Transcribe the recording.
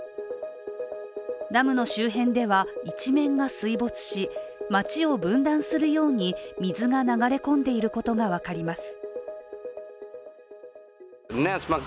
ダムの周辺では、一面が水没し街を分断するように水が流れ込んでいることが分かります。